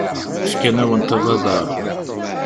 Fkan-awent abadaṛ.